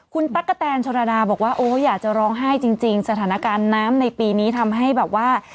คุณตั๊กกะแตนชนระดาบอกว่าโอ้อยากจะร้องไห้จริงสถานการณ์น้ำในปีนี้ทำให้แบบว่า